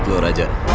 hebat lo raja